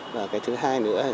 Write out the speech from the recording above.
và thứ hai nữa là